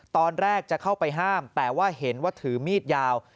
ตอนแรกจะเข้าไปห้ามแต่ว่าเห็นว่าถือมีดยาว